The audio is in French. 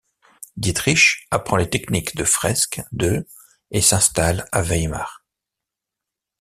Dietrich apprend les techniques de fresque de et s'installe à Weimar.